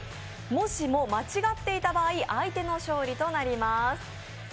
もしも間違っていた場合相手の勝利となります。